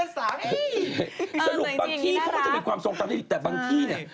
สรุปบางที่เขามันจะมีความทรงจำได้ดีแต่บางที่เนี่ย